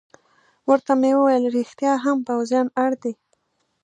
ورته مې وویل: رښتیا هم، پوځیان اړ دي.